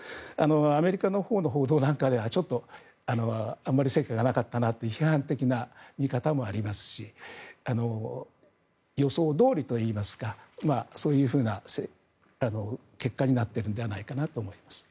アメリカのほうの報道なんかではあまり成果がなかったなと批判的な見方もありますし予想どおりといいますかそういうふうな結果になっているんではないかなと思います。